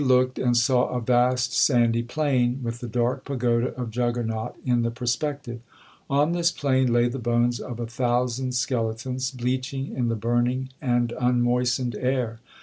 'Immalee looked and saw a vast sandy plain, with the dark pagoda of Juggernaut in the perspective. On this plain lay the bones of a thousand skeletons, bleaching in the burning and unmoistened air.